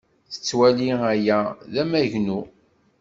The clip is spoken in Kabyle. Tettwali aya d amagnu.